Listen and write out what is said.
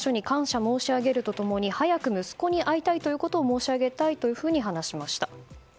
日本の裁判所に感謝申し上げると共に早く息子に会いたいということを申し上げたいと話しました。